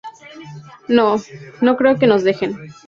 no... no creo que nos dejen.